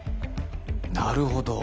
なるほど。